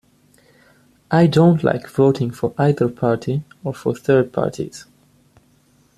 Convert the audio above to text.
I don't like voting for either party or for third parties.